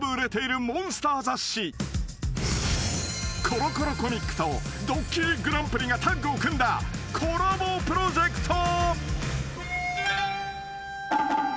［『コロコロコミック』と『ドッキリＧＰ』がタッグを組んだコラボプロジェクト］